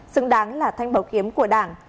xứng đáng là thanh bầu khiếm của đảng